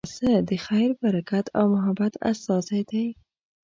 پسه د خیر، برکت او محبت استازی دی.